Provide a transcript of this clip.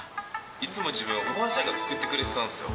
いつも自分はおばあちゃんが作ってくれてたんですよ。